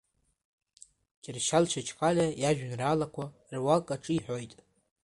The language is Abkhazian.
Кьыршьал Чачхалиа иажәеинраалақәа руак аҿы иҳәоит…